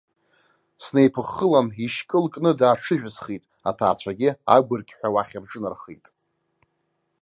Снеиԥыххылан, ишькыл кны дааҽыжәысхит, аҭаацәагьы агәырқьҳәа уахь рҿынархеит.